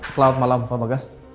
selamat malam pak bagas